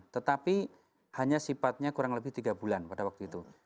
tetapi hanya sifatnya kurang lebih tiga bulan pada waktu itu